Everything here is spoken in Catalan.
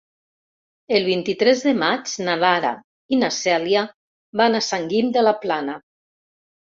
El vint-i-tres de maig na Lara i na Cèlia van a Sant Guim de la Plana.